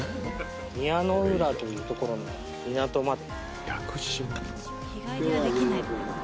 宮之浦という所の港まで。